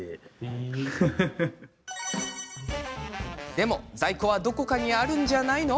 でも、在庫はどこかにあるんじゃないの？